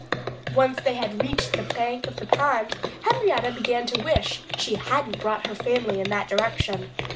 Once they had reached the bank of the pond Henrietta began to wish she hadn't brought her family in that direction.